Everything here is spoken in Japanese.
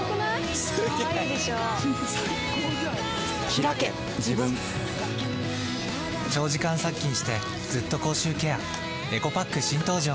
ひらけ自分長時間殺菌してずっと口臭ケアエコパック新登場！